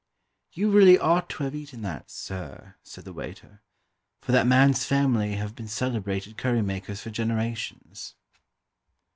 "You really ought to have eaten that, sir," said the waiter, "for that man's family have been celebrated curry makers for generations."